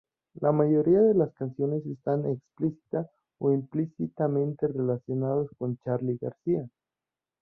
La mayoría de las canciones están explícita o implícitamente relacionadas con Charly García.